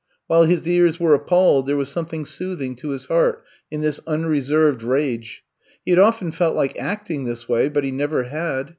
While his ears were ap palledy there was something soothing to his heart in this unreserved rage. He had of ten felt like acting this way, but he never had.